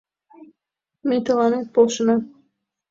Ме тыланет полшена.